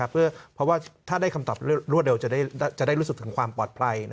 เพราะว่าถ้าได้คำตอบรวดเร็วจะได้รู้สึกถึงความปลอดภัย